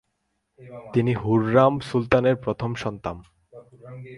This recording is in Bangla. তিনি হুররাম সুলতানের প্রথম সন্তান।